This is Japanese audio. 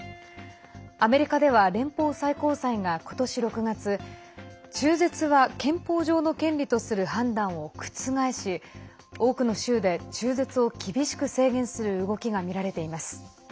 アメリカでは連邦最高裁が今年６月中絶は憲法上の権利とする判決を覆し多くの州で中絶を厳しく制限する動きがみられています。